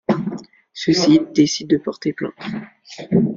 Ceux-ci décident de porter plainte.